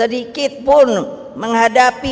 sedikit pun menghadapi